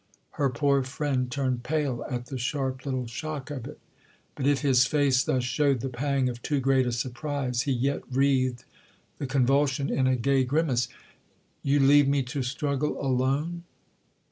Her poor friend turned pale at the sharp little shock of it; but if his face thus showed the pang of too great a surprise he yet wreathed the convulsion in a gay grimace. "You leave me to struggle alone?"